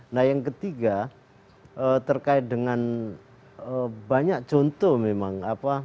nah yang ketiga terkait dengan banyak contoh memang